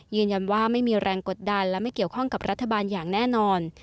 ยืนยันว่าไม่มีแรงกดดันและไม่เกี่ยวข้องกับรัฐบาลอย่างแน่นอน